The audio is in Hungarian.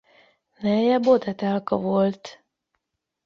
Neje Bod Etelka volt.